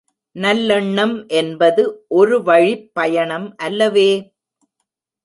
நல்லெண்ணம் என்பது ஒருவழிப்பயணம் அல்லவே!